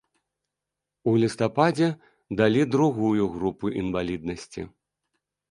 У лістападзе далі другую групу інваліднасці.